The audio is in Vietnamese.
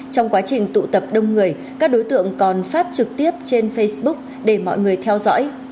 trong quá trình tụ tập đông người các đối tượng còn phát trực tiếp trên facebook để mọi người theo dõi